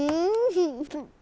フフ。